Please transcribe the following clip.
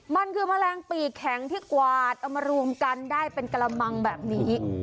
มันคือแมลงปีกแข็งที่กวาดเอามารวมกันได้เป็นกระมังแบบนี้